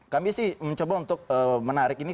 kami sih mencoba untuk menarik ini